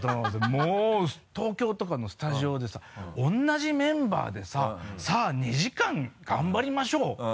もう東京とかのスタジオでさ同じメンバーでささぁ２時間頑張りましょう。